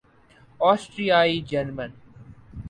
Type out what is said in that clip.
آسٹریائی German